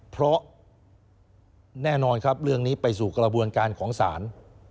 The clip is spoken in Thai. เพราะแน่นอนครับเรื่องนี้ไปสู่กระบวนการของศาล